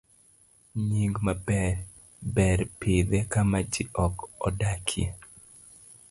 B. Nying maber. Ber pidhe kama ji ok odakie